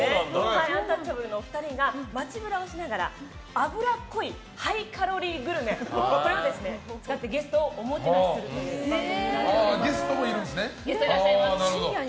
アンタッチャブルのお二人が街ブラをしながら脂っこいハイカロリーグルメを使ってゲストをおもてなしするという番組となっております。